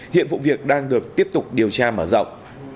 hiện vụ việc đang được tiếp tục điều tra mở rộng